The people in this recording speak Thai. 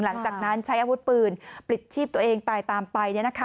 หลังจากนั้นใช้อาวุธปืนปลิดชีพตัวเองตายตามไป